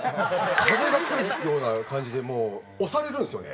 風が来るような感じでもう押されるんですよね。